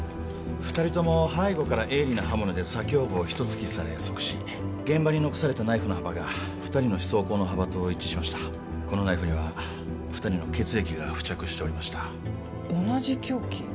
二人とも背後から鋭利な刃物で左胸部を一突きされ即死現場に残されたナイフの幅が二人の刺創口の幅と一致しましたこのナイフには二人の血液が付着しておりました同じ凶器？